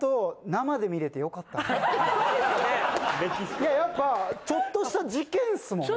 いややっぱちょっとした事件っすもんね。